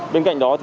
bên cạnh đó